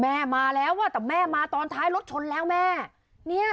แม่มาแล้วแต่แม่มาตอนท้ายรถชนแล้วแม่